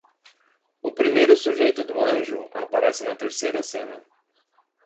O primeiro sujeito do anjo aparece na terceira cena.